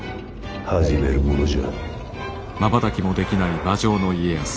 始めるものじゃ。